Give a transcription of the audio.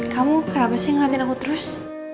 kamu kenapa sih ngeliatin aku terus